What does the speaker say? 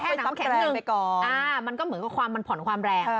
กระแทกน้ำแข็งหนึ่งอ่ามันก็เหมือนกับความมันผ่อนความแรง